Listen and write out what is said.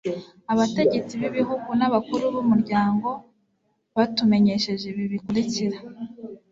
abategetsi b'igihugu n'abakuru b'umuryango, batumenyesheje ibi bikurikira